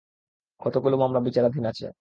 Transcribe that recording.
কতগুলো মামলা বিচারাধীন আছে?